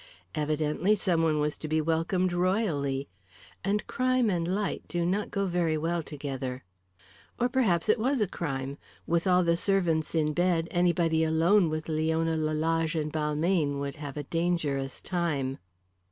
Evidently some one was to be welcomed royally. And crime and light do not go very well together. Or perhaps it was a crime. With all the servants in bed anybody alone with Leona Lalage and Balmayne would have a dangerous time.